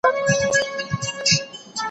چي په وینو یې د ورور سره وي لاسونه